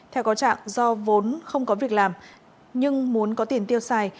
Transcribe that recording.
theo có trạng do vốn không có việc làm nhưng muốn có tiền tiêu xài